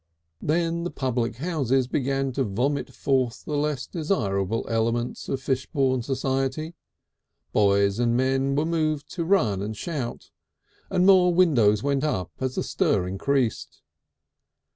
Then the public houses began to vomit forth the less desirable elements of Fishbourne society, boys and men were moved to run and shout, and more windows went up as the stir increased.